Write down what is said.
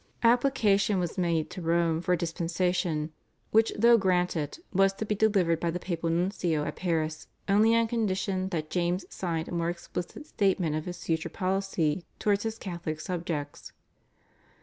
Application was made to Rome for a dispensation, which though granted, was to be delivered by the papal nuncio at Paris only on condition that James signed a more explicit statement of his future policy towards his Catholic subjects.